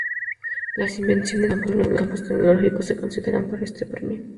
Las invenciones de todos los campos tecnológicos se consideran para este premio.